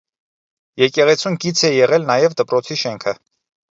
Եկեղեցուն կից է եղել նաև դպրոցի շենքը։